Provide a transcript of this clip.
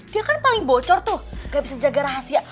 dia kan paling bocor tuh gak bisa jaga rahasia